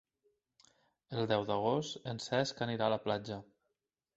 El deu d'agost en Cesc anirà a la platja.